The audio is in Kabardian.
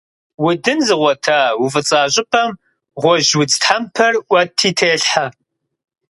Удын зыгъуэта, уфӀыцӀа щӀыпӀэм гъуэжьудз тхьэмпэр Ӏуэти телъхьэ.